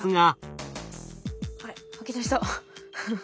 あっ吐き出した。